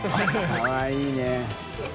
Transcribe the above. かわいいね。